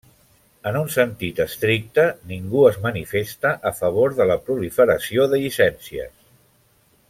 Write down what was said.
En un sentit estricte ningú es manifesta a favor de la proliferació de llicències.